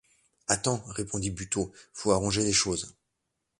Attends, répondit Buteau, faut arranger les choses.